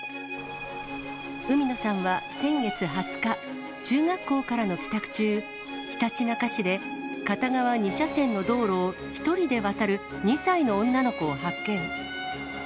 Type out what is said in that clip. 海野さんは先月２０日、中学校からの帰宅中、ひたちなか市で片側２車線の道路を１人で渡る２歳の女の子を発見。